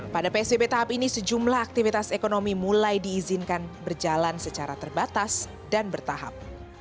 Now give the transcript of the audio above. pada psbb tahap ini sejumlah aktivitas ekonomi mulai diizinkan berjalan secara terbatas dan bertahap